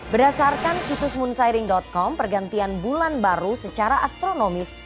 berdasarkan situs moonsharing com pergantian bulan baru secara astronomis